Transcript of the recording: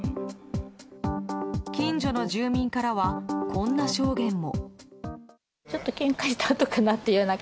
近所の住民からはこんな証言も。